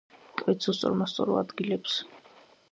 კვეთს უსწორმასწორო ადგილებს.